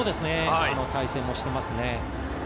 対戦もしてますね。